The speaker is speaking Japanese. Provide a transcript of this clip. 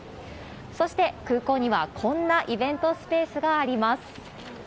そして空港にはこんなイベントスペースがあります。